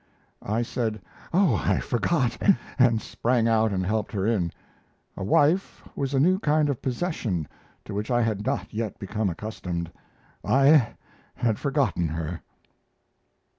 I said, "Oh, I forgot!" and sprang out and helped her in. A wife was a new kind of possession to which I had not yet become accustomed; I had forgotten her.